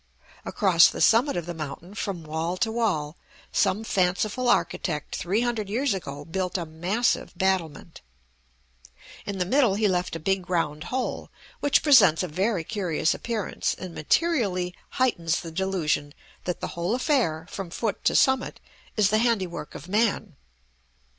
Across the summit of the mountain, from wall to wall, some fanciful architect three hundred years ago built a massive battlement; in the middle he left a big round hole, which presents a very curious appearance, and materially heightens the delusion that the whole affair, from foot to summit, is the handiwork of man.